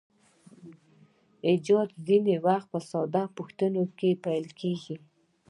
ایجاد ځینې وخت په ساده پوښتنو پیلیږي.